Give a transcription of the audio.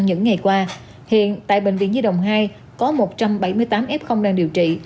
những ngày qua hiện tại bệnh viện nhi đồng hai có một trăm bảy mươi tám f đang điều trị